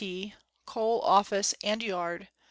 T CoalOfficeand Yard